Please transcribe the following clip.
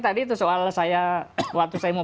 tadi itu soal saya waktu saya mau